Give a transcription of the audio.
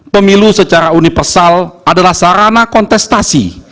pemilu secara universal adalah sarana kontestasi